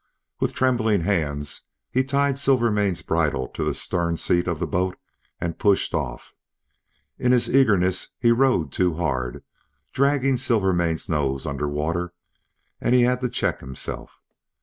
With trembling hands he tied Silvermane's bridle to the stern seat of the boat and pushed off. In his eagerness he rowed too hard, dragging Silvermane's nose under water, and he had to check himself.